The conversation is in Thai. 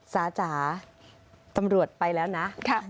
จ๋าจ๋าตำรวจไปแล้วนะ